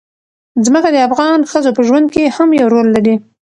ځمکه د افغان ښځو په ژوند کې هم یو رول لري.